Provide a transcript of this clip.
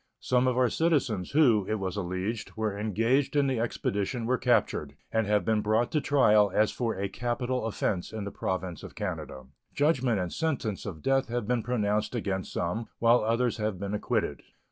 Some of our citizens who, it was alleged, were engaged in the expedition were captured, and have been brought to trial as for a capital offense in the Province of Canada. Judgment and sentence of death have been pronounced against some, while others have been acquitted.